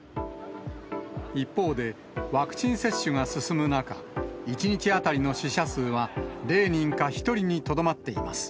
一方で、ワクチン接種が進む中、１日当たりの死者数は、０人か１人にとどまっています。